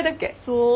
そう。